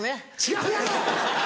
違うやろ！